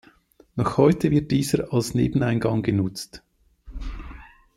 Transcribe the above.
Noch heute wird dieser als Nebeneingang genutzt.